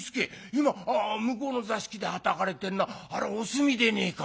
今向こうの座敷ではたかれてんのはあれおすみでねえか？